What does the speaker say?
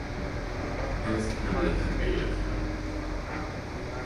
Ez nem lehet véletlen.